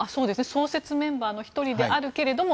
創設メンバーの１人であるけども